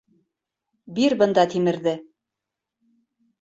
Бир бында тимерҙе!